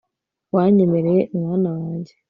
wanyemereye mwana wanjye